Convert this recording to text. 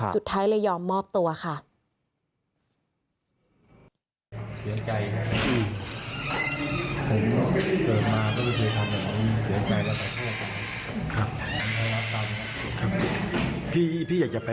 สุดท้ายเลยยอมมอบตัวค่ะ